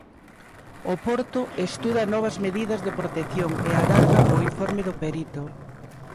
O Porto estuda novas medidas de protección e agarda o informe do perito.